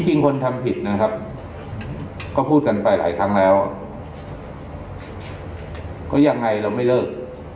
จริงคนทำผิดนะครับก็พูดกันไปหลายครั้งแล้วก็ยังไงเราไม่เลิก